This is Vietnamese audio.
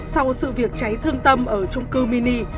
sau sự việc cháy thương tâm ở trung cư mini